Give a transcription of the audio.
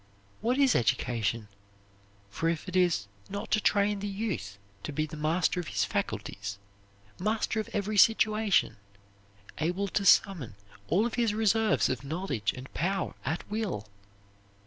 What is education for if it is not to train the youth to be the master of his faculties, master of every situation, able to summon all of his reserves of knowledge and power at will?